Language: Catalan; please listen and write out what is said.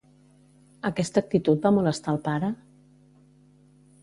Aquesta actitud va molestar al pare?